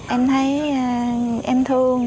em thấy em thương